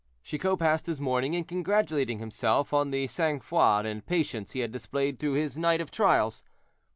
Chicot passed his morning in congratulating himself on the sang froid and patience he had displayed through his night of trials.